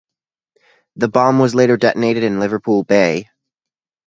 The bomb was later detonated in Liverpool Bay.